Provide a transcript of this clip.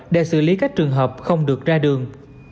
để xử lý các trường hợp không được ra đường